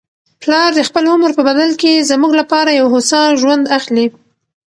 پلار د خپل عمر په بدل کي زموږ لپاره یو هوسا ژوند اخلي.